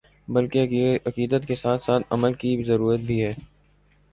بلکہ عقیدت کے ساتھ ساتھ عمل کی ضرورت بھی ہے ۔